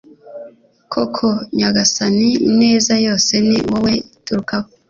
koko Nyagasani ineza yose ni wowe iturukaho